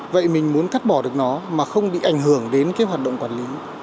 vậy mình muốn cắt bỏ được nó mà không bị ảnh hưởng đến cái hoạt động quản lý